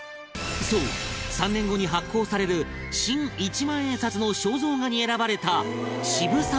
そう３年後に発行される新一万円札の肖像画に選ばれた渋沢栄一